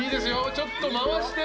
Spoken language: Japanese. ちょっと回して。